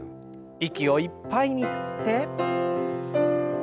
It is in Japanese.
息をいっぱいに吸って。